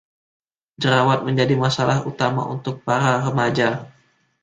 Jerawat menjadi masalah utama untuk para remaja.